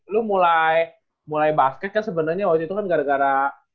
lu mulai basket kan sebenarnya waktu itu kan gara gara